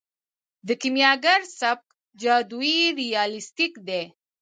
د کیمیاګر سبک جادويي ریالستیک دی.